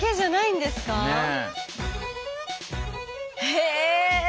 へえ！